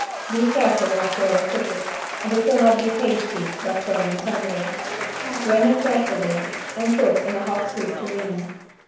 Be careful not to overcook it, and it will not be pasty, but firm and tender. Drain it carefully and put in a hot soup tureen.